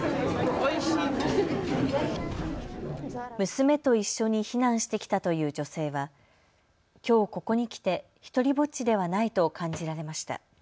娘と一緒に避難してきたという女性は、きょうここに来て独りぼっちではないと感じられました。